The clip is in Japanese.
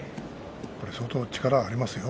相当、力はありますよ。